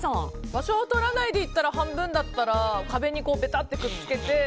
場所をとらないでいったら半分になったら壁にぺたってくっつけて。